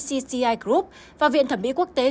cci group và viện thẩm mỹ quốc tế